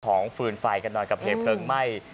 ถ่วงฝืนไฟกันนอนกับเหตุเพลิงไหม้